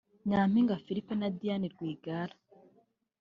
Mpayimana Philippe na Diane Rwigara